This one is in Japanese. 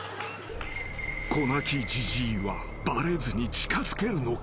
［子泣きじじいはバレずに近づけるのか？］